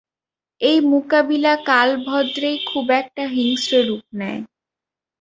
এই মুকাবিলা কালেভদ্রেই খুব একটা হিংস্র রূপ নেয়।